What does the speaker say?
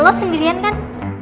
lo sendirian kan